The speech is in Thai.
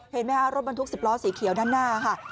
เห็นไหมคะรถบรรทุก๑๐ล้อสีเขียวด้านหน้าค่ะ